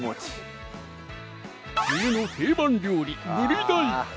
冬の定番料理